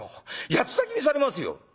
八つ裂きにされますよ！」。